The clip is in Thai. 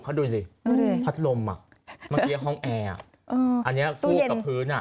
เขาดูสิพัดลมอ่ะเมื่อกี้ห้องแอร์อันนี้ฟูกกับพื้นอ่ะ